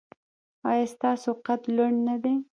ایا ستاسو قد لوړ نه دی؟